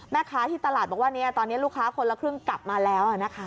แม่ค้าที่ตลาดบอกว่าตอนนี้ลูกค้าคนละครึ่งกลับมาแล้วนะคะ